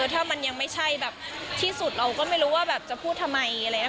ถ้ามันยังไม่ใช่แบบที่สุดเราก็ไม่รู้ว่าแบบจะพูดทำไมอะไรอย่างนี้